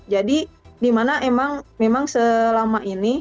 jadi di mana memang memang selama ini